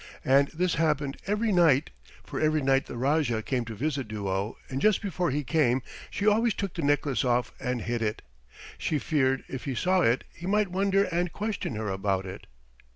And this happened every night, for every night the Rajah came to visit Duo, and just before he came she always took the necklace off and hid it. She feared if he saw it he might wonder and question her about it.